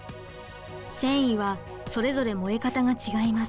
繊維はそれぞれ燃え方が違います。